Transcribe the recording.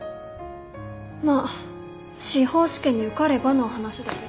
まあ司法試験に受かればの話だけど。